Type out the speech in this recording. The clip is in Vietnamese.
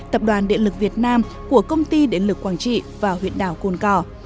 tập đoàn điện lực việt nam của công ty điện lực quảng trị và huyện đảo côn cò